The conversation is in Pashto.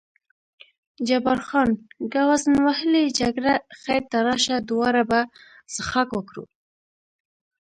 جبار خان: ګوزڼ وهلې جګړه، خیر ته راشه دواړه به څښاک وکړو.